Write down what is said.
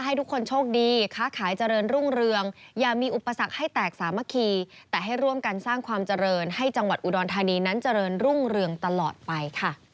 ให้กับลูกน้องเผื่อแผ่กันไป